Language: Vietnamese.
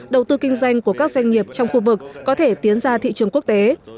đầu tư kinh doanh của các doanh nghiệp trong khu vực có thể tiến ra thị trường quốc tế